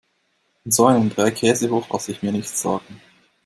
Von so einem Dreikäsehoch lasse ich mir nichts sagen.